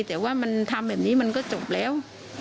แต่ว่ามันทำแบบนี้มันก็จบแล้ว